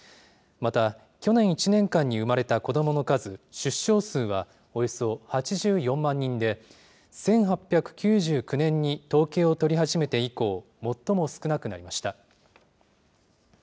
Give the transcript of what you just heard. また、去年１年間に産まれた子どもの数、出生数はおよそ８４万人で、１８９９年に統計を取り始めて以降、最も少なくなりました。